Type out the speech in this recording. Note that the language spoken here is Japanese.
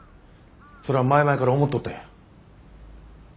それは前々から思とったんや。